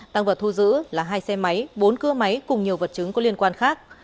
tăng vật thu giữ là hai xe máy bốn cưa máy cùng nhiều vật chứng có liên quan khác